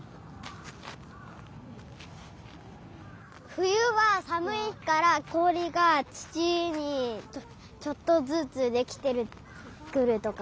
ふゆはさむいからこおりがつちにちょっとずつできてくるとか？